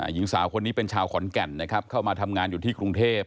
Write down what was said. หญิงสาวคนนี้เป็นชาวขอนแก่นนะครับเข้ามาทำงานอยู่ที่กรุงเทพ